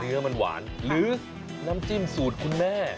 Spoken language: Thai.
เนื้อมันหวานหรือน้ำจิ้มสูตรคุณแม่